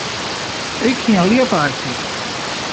Ik hie in ljipaai fûn.